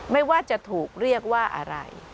ไม่ว่าจะถูกเรียกว่าอะไร